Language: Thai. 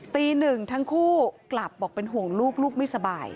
ตีหนึ่งทั้งคู่กลับบอกเป็นห่วงลูกลูกไม่สบาย